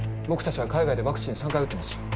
僕たちは海外でワクチン３回打ってますし。